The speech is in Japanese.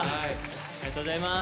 ありがとうございます。